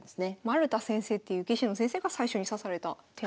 丸田先生っていう棋士の先生が最初に指された手なんですね。